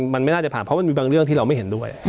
มันไม่น่าจะผ่านเพราะมันมีบางเรื่องที่เราไม่เห็นด้วย